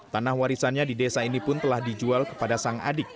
tanah warisannya di desa ini pun telah dijual kepada sang adik